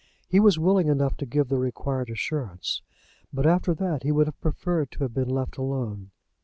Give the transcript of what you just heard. He was willing enough to give the required assurance, but after that he would have preferred to have been left alone.